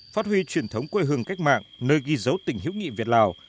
phát huy truyền thống quê hương cách mạng nơi ghi dấu tỉnh hữu nghị việt lào